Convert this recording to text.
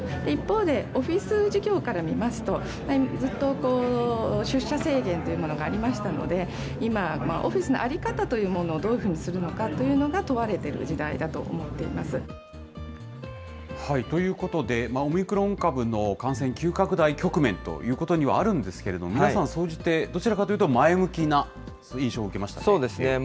一方で、オフィス企業から見ますと、ずっと出社制限というものがありましたので、今、オフィスの在り方というものをどういうふうにするのかというのがということで、オミクロン株の感染急拡大局面ということにはあるんですけれども、皆さん総じて、どちらかというと、前向きな印象を受けましたね。